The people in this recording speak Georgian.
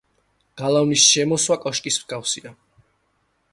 გალავნის შემოსვა კოშკის მსგავსია.